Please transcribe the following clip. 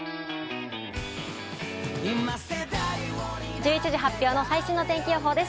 １１時発表の最新の天気予報です。